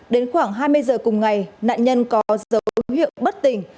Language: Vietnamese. đến khoảng hai mươi giờ cùng ngày nạn nhân có dấu hiệu bất tỉnh